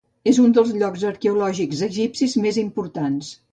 És un dels llocs arqueològics egipcis més importants.